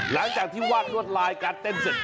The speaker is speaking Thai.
หลังจากที่วาดลวดลายการเต้นเสร็จ